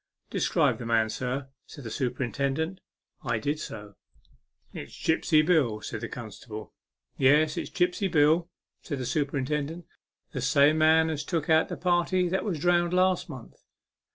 " Describe the man, sir," said the superin tendent. I did so. 94 A MEMORABLE SWIM. " It's Gipsy Bill," said the constable. " Yes, it's Gripsy Bill," said the superin tendent " the same man as took out the party that was drowned last month."